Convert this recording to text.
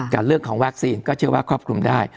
เรื่องของวัคซีนก็เชื่อว่าครอบคลุมได้